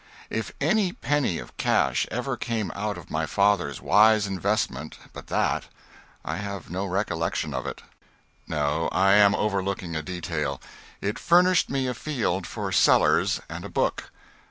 If any penny of cash ever came out of my father's wise investment but that, I have no recollection of it. No, I am overlooking a detail. It furnished me a field for Sellers and a book.